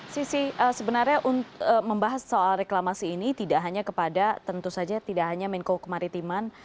sisi sebenarnya membahas soal reklamasi ini tidak hanya kepada tentu saja tidak hanya menko kemaritiman